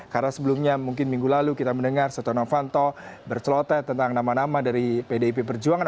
karena sebelumnya mungkin minggu lalu kita mendengar setionofanto bercelote tentang nama nama dari pdip perjuangan